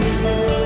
pak yaudah pak